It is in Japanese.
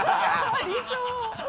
ありそう。